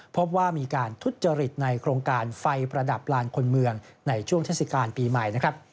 พบว่ามีการทุจริตในโครงการไฟประดับลานคนเมืองในช่วงเทศกาลปีใหม่นะครับ